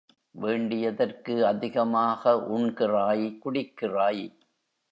வேண்டியதற்கு அதிகமாக உண்கிறாய், குடிக்கிறாய்.